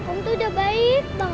om tuh udah baik banget